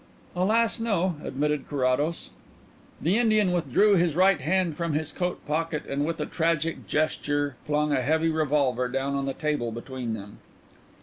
"Alas, no," admitted Carrados. The Indian withdrew his right hand from his coat pocket and with a tragic gesture flung a heavy revolver down on the table between them.